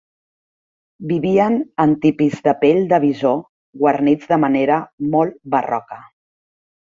Vivien en tipis de pell de bisó, guarnits de manera molt barroca.